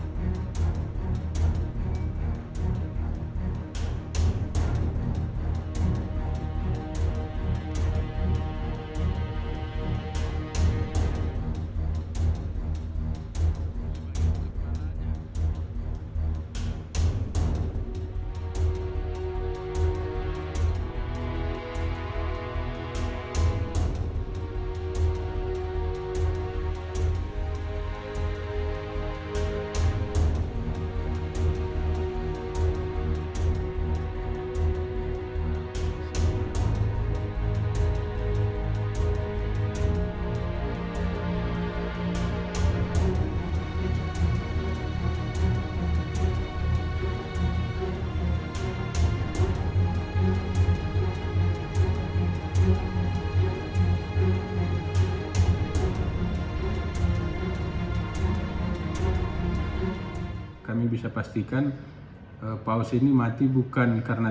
jangan lupa like share dan subscribe ya